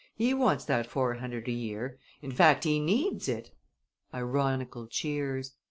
He wants that four hundred a year; in fact he needs it!" (Ironical cheers.)